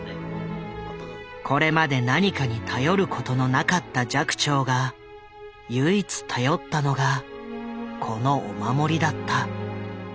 これまで何かに頼ることのなかった寂聴が唯一頼ったのがこのお守りだった。